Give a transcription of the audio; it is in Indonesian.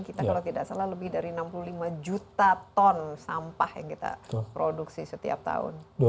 kita kalau tidak salah lebih dari enam puluh lima juta ton sampah yang kita produksi setiap tahun